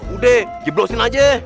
udah giblosin aja